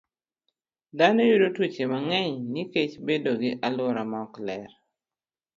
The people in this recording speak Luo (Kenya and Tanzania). Dhano yudo tuoche mang'eny nikech bedo gi alwora maok ler.